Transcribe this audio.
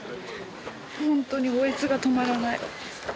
本当に嗚咽が止まらない。